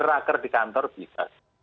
raker di kantor bisa